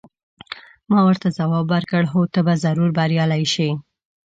ما ورته ځواب ورکړ: هو، ته به ضرور بریالۍ شې.